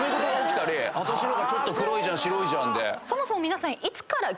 私の方がちょっと黒いじゃん白いじゃんで。